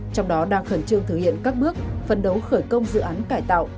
trong đó đang khẩn trương thực hiện các bước phân đấu khởi công dự án cải tạo